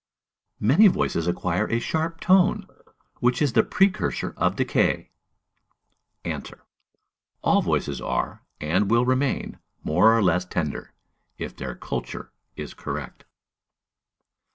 "Many voices acquire a sharp tone, which is the precursor of decay." Answer. All voices are, and will remain, more or less tender, if their culture is correct.